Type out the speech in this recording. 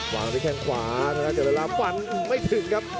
วางด้วยแข้งขวานะครับแต่เวลาฟันไม่ถึงครับ